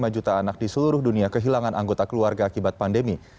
lima juta anak di seluruh dunia kehilangan anggota keluarga akibat pandemi